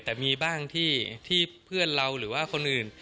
แต่มีบ้างที่เพื่อนเราหรือว่าคนอื่น